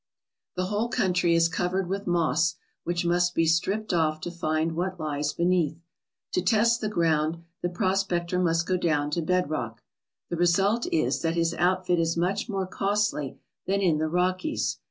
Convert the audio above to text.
The whole country is covered with moss, which must be stripped off to find what lies beneath. To test the ground the prospector must go down to bed rock. The result is that his outfit is much more costly than in the Rockies.